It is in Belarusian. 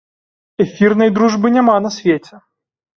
Эфірнай дружбы няма на свеце!